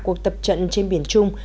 cuộc tập trận trên biển trung